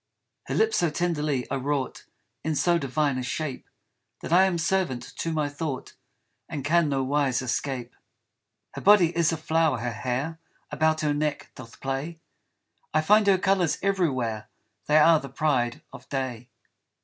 Her lips so tenderly are wrought In so divine a shape, That I am servant to my thought And can no wise escape. Her body is a flower, her hair About her neck doth play ; I find her colours everywhere, They are the pride of day.